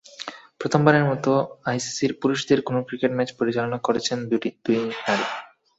প্রথমবারের মতো আইসিসির পুরুষদের কোনো ক্রিকেট ম্যাচ পরিচালনা করেছেন দুই নারী।